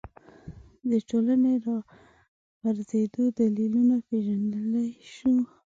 د ټولنې راپرځېدو دلیلونه پېژندلی شو